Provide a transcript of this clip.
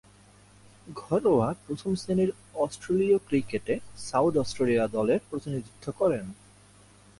ঘরোয়া প্রথম-শ্রেণীর অস্ট্রেলীয় ক্রিকেটে সাউথ অস্ট্রেলিয়া দলের প্রতিনিধিত্ব করেন।